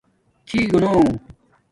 تھی گنݸ